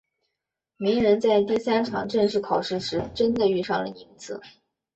鸣人在第三场正式考试时真的遇上了宁次。